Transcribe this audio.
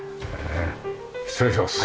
失礼します。